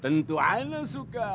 tentu ana suka